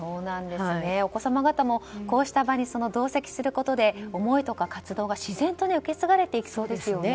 お子様方もこうした場に同席することで思いとか活動が自然と受け継がれていきそうですね。